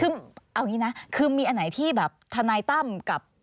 ซึ่งเอาอย่างนี้นะคือมีอันไหนที่แบบทนายตั้มกับ